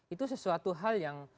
itu sesuatu hal yang